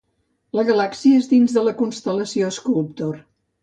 La galàxia és dins de la constel·lació Sculptor.